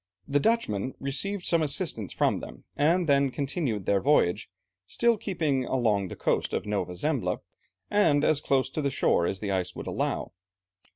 The Dutchmen received some assistance from them, and then continued their voyage, still keeping along the coast of Nova Zembla, and as close in shore as the ice would allow.